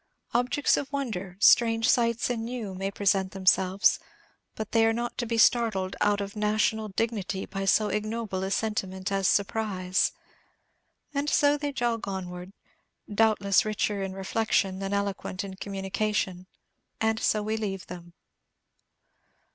Objects of wonder, strange sights and new, may present themselves, but they are not to be startled out of national dignity by so ignoble a sentiment as surprise. And so they jog onward, doubtless richer in reflection than eloquent in communion; and so we leave them.